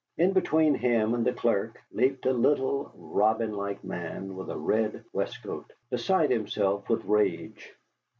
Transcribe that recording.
In between him and the clerk leaped a little, robin like man with a red waistcoat, beside himself with rage.